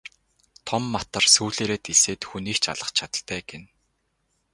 Том матар сүүлээрээ дэлсээд хүнийг ч алах чадалтай гэнэ.